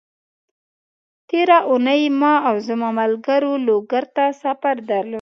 تېره اونۍ ما او زما ملګرو لوګر ته سفر درلود،